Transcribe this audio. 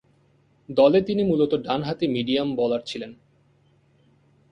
দলে তিনি মূলতঃ ডানহাতি মিডিয়াম বোলার ছিলেন।